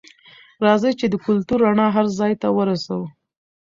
راځئ چې د کلتور رڼا هر ځای ته ورسوو.